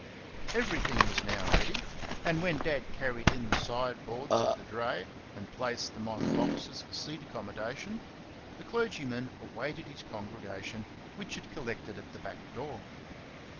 Everything was now ready, and, when Dad carried in the side boards of the dray and placed them on boxes for seat accommodation, the clergyman awaited his congregation, which had collected at the back door.